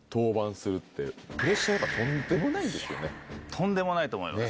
とんでもないと思います